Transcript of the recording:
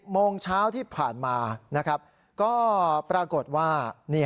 ๑๐โมงเช้าที่ผ่านมาก็ปรากฏว่า